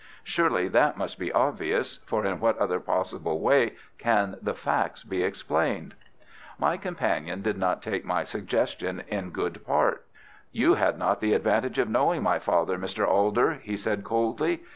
Surely that must be obvious, for in what other possible way can the facts be explained?" My companion did not take my suggestion in good part. "You had not the advantage of knowing my father, Mr. Alder," he said, coldly.